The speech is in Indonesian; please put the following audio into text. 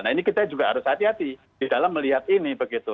nah ini kita juga harus hati hati di dalam melihat ini begitu